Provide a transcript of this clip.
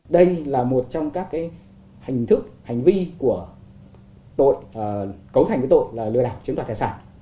đây là một trong các hình thức hành vi của tội cấu thành tội lừa đảo chiếm đoạt tài sản